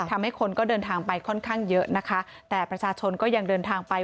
ทำให้คนก็เดินทางไปค่อนข้างเยอะนะคะแต่ประชาชนก็ยังเดินทางไป